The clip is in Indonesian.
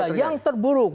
itu ada yang terburuk